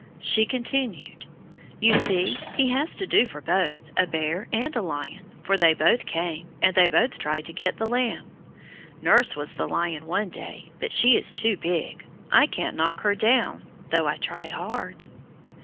She continued "You see, he has to do for both, a bear and a lion, for they both came, and they both tried to get the lamb. Nurse was the lion one day, but she is too big; I can't knock her down, though I try hard."